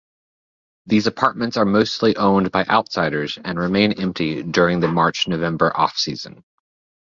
These apartments are mostly owned by outsiders and remain empty during the March-November off-season.